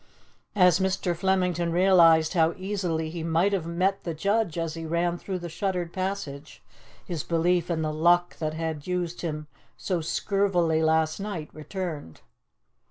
As Mr. Flemington realized how easily he might have met the judge as he ran through the shuttered passage, his belief in the luck that had used him so scurvily last night returned.